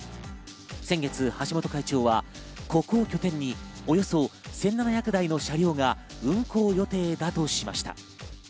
先月、橋本会長はここを拠点におよそ１７００台の車両が運行予定だとしました。